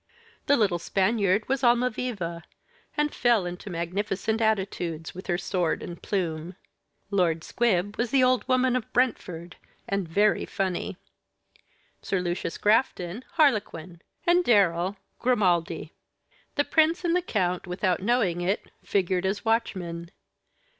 The little Spaniard was Almaviva, and fell into magnificent attitudes, with her sword and plume. Lord Squib was the old woman of Brentford, and very funny. Sir Lucius Grafton, Harlequin; and Darrell, Grimaldi. The prince and the count, without knowing it, figured as watchmen.